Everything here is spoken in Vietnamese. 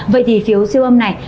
vậy thì phiếu siêu âm này